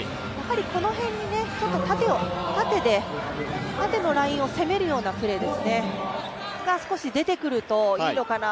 この辺に縦のラインを攻めるようなプレーが少し出てくるといいのかな。